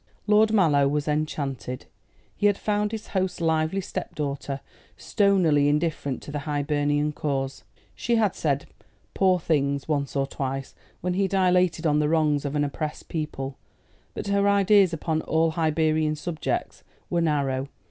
Lord Mallow was enchanted. He had found his host's lively step daughter stonily indifferent to the Hibernian cause. She had said "Poor things" once or twice, when he dilated on the wrongs of an oppressed people; but her ideas upon all Hibernian subjects were narrow.